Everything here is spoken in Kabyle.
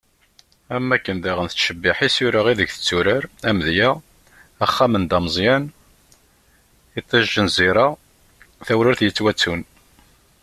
Am wakken daɣen tettcebiḥ isura ideg i d-turar, amedya: Axxam n Dda Meẓyan, Itij n Zira, Tawrirt yettwattun.